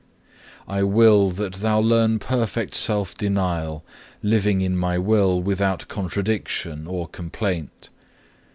I will that thou learn perfect self denial, living in My will without contradiction or complaint.